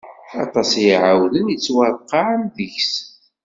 Aṭas i iɛawden, yettwareqɛen deg-s.